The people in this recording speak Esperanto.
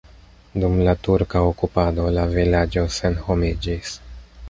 Dum la turka okupado la vilaĝo senhomiĝis.